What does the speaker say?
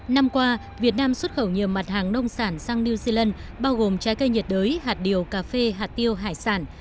năm qua việt nam xuất khẩu nhiều mặt hàng nông sản sang new zealand bao gồm trái cây nhiệt đới hạt điều cà phê hạt tiêu hải sản